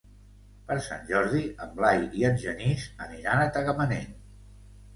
Per Sant Jordi en Blai i en Genís aniran a Tagamanent.